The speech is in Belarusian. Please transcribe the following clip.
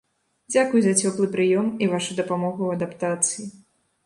Дзякуй за цёплы прыём і вашу дапамогу ў адаптацыі.